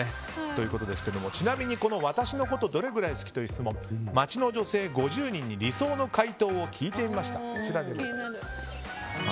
ちなみに、この私のことどれくらい好き？という質問街の女性５０人に理想の回答を聞いてみました。